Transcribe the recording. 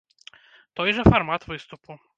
Той жа фармат выступу.